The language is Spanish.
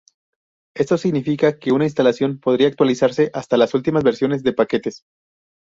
Esto significa que una instalación podría actualizarse hasta las últimas versiones de paquetes.